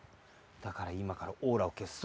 だからいまからオーラをけす。